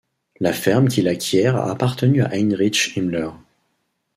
La ferme qu'il acquiert a appartenu à Heinrich Himmler.